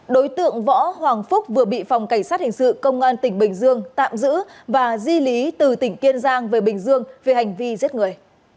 đối tượng võ hoàng phúc vừa bị phòng cảnh sát hình sự công an tỉnh bình dương tạm giữ và di lý từ tỉnh kiên giang về bình dương về hành vi giết người